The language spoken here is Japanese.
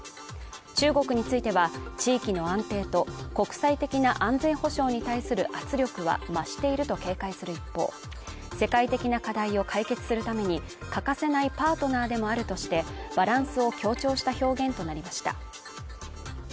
中国については、地域の安定と国際的な安全保障に対する圧力は増していると警戒する一方、世界的な課題を解決するために欠かせないパートナーでもあるとして、バランスを強調した表現となりました。